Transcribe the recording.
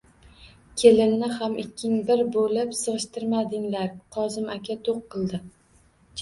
Kelinni ham ikking bir bo`lib sig`ishtirmadinglar, Kozim aka do`q qildi